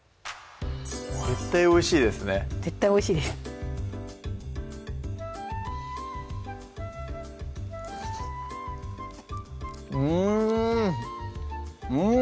絶対おいしいですね絶対おいしいですうんうん！